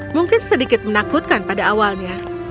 mungkin sedikit menakutkan pada awalnya